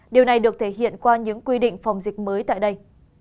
điều này được thể hiện qua những quy định phòng dịch mới tại đây